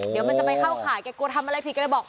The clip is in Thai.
เดี๋ยวมันจะไปเข้าข่ายแกกลัวทำอะไรผิดก็เลยบอก